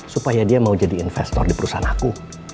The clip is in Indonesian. supaya dia mau jadi investor di perusahaan aku